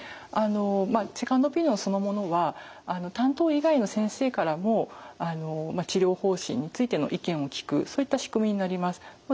セカンドオピニオンそのものは担当以外の先生からも治療方針についての意見を聞くそういった仕組みになります。